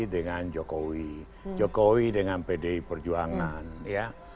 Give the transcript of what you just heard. dengan jokowi jokowi dengan pdi perjuangan ya